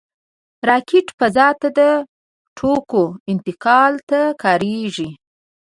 راکټ فضا ته د توکو انتقال ته کارېږي